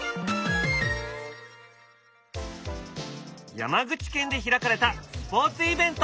山口県で開かれたスポーツイベント。